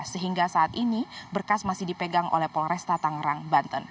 sehingga saat ini berkas masih dipegang oleh polresta tangerang banten